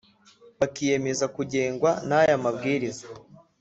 Bakiyemeza kugengwa n aya mabwiriza